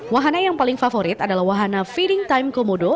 wahana yang paling favorit adalah wahana feeding time komodo